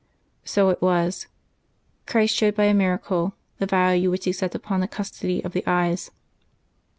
So it was. Christ showed, by a miracle, the value which He sets upon the custody of the eyes.